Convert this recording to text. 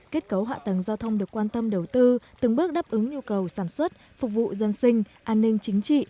kết cấu hạ tầng giao thông được quan tâm đầu tư từng bước đáp ứng nhu cầu sản xuất phục vụ dân sinh an ninh chính trị